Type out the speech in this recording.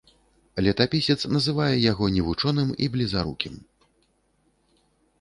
Летапісец называе яго невучоным і блізарукім.